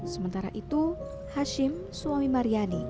sementara itu hashim suami maryani